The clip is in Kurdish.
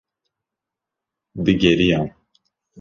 digeriyan